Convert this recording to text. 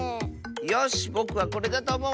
よしぼくはこれだとおもう！